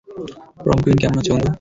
প্রম queen কেমন আছে, বন্ধু?